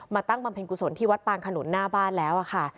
ตั้งบำเพ็ญกุศลที่วัดปางขนุนหน้าบ้านแล้วค่ะ